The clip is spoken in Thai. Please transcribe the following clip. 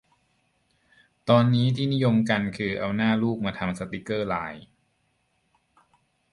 ตอนนี้ที่นิยมกันคือเอาหน้าลูกมาทำสติกเกอร์ไลน์